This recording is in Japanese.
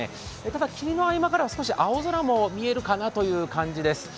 ただ、霧の合間からは少し青空が見えるかなという感じです。